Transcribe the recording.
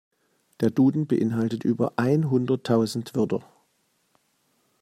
Der Duden beeinhaltet über einhunderttausend Wörter.